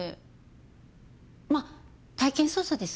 まあ体験捜査です。